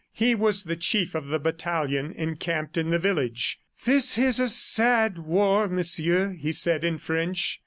He was the chief of the battalion encamped in the village. "This is a sad war, Monsieur!" he said in French.